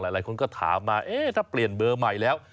หลายคนก็ถามมาถ้าเปลี่ยนเบอร์ใหม่แล้ว